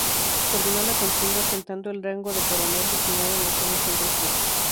Terminó la contienda ostentando el rango de coronel, destinado en la zona Centro-Sur.